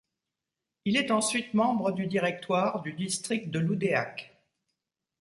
Il est ensuite membre du directoire du district de Loudéac.